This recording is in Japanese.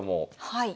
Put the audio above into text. はい。